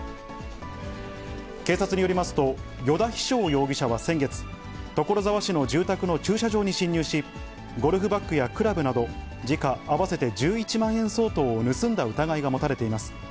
警察によりますと、依田飛翔容疑者は先月、所沢市の住宅の駐車場に侵入し、ゴルフバッグやクラブなど時価合わせて１１万円相当を盗んだ疑いが持たれています。